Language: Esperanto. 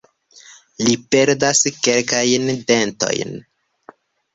Li perdas kelkajn dentojn.